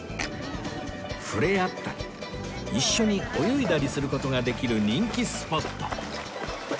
触れ合ったり一緒に泳いだりする事ができる人気スポット